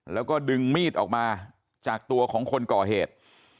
แล้วก็ดึงมีดออกมาจากตัวของคนก่อเหตุ